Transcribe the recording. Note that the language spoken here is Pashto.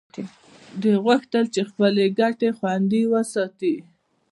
دوی غوښتل چې خپلې ګټې خوندي وساتي